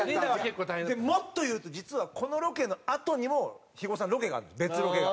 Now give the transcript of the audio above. もっと言うと実はこのロケのあとにも肥後さんロケがあるの別ロケが。